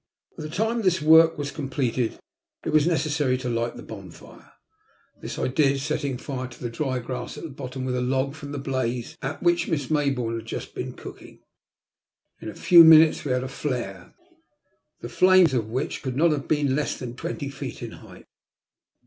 By the time this work was completed it was necessary to light the bonfire. This I did, setting fire to the dry grass at the bottom with a log from the blaze at which Miss Mayboume had just been cooking. In a few minutes we had a flare the flames of which could not have been less than twenty feet in height.